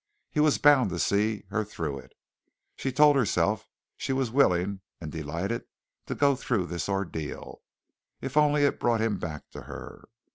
He was bound to see her through it. She told herself she was willing and delighted to go through this ordeal, if only it brought him back to her.